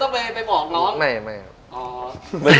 แล้วเรามาคุยกันยังไงเรื่องคนนี้